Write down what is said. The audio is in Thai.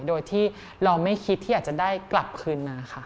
โดยที่เราไม่คิดที่อยากจะได้กลับคืนมาค่ะ